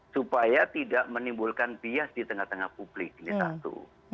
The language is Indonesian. supaya tidak menimbulkan bias di tengah tengah publik ini satu